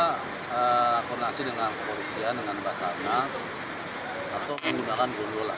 kita koordinasi dengan polisian dengan basah nas atau menggunakan gondola